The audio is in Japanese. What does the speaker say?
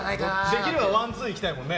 できればワンツーいきたいもんね。